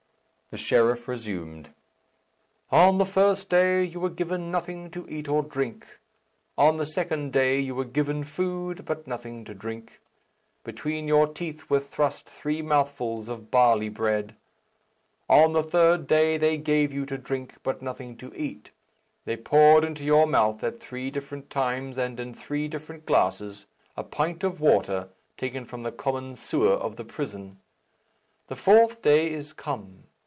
The sheriff resumed, "On the first day you were given nothing to eat or drink. On the second day you were given food, but nothing to drink. Between your teeth were thrust three mouthfuls of barley bread. On the third day they gave you to drink, but nothing to eat. They poured into your mouth at three different times, and in three different glasses, a pint of water taken from the common sewer of the prison. The fourth day is come.